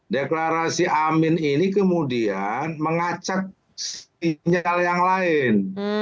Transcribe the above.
deklarasi amin ini kemudian mengacak sinyal yang lain